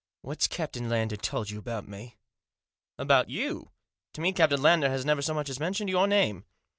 " What's Captian Lander told you about me ?" u About you ? To me Captain Lander has never so much as mentioned your name."